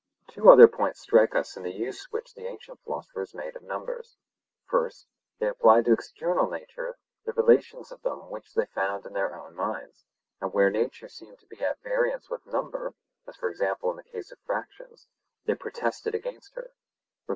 Two other points strike us in the use which the ancient philosophers made of numbers. First, they applied to external nature the relations of them which they found in their own minds; and where nature seemed to be at variance with number, as for example in the case of fractions, they protested against her (Rep.